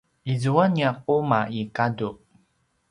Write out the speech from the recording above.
izua nia quma i gadu